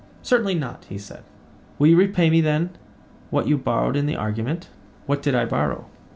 Certainly not, he said. Will you repay me, then, what you borrowed in the argument? What did I borrow?